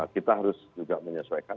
kita harus juga menyesuaikan